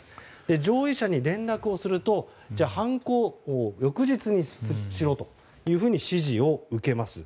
上位者に連絡するとじゃあ犯行を翌日にしろと指示を受けます。